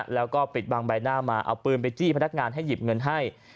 แล้วก็ปิดบังใบหน้ามาเอาปืนไปจี้พนักงานให้หยิบเงินให้